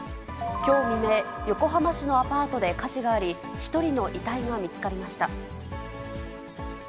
きょう未明、横浜市のアパートで火事があり、１人の遺体が見つかりました。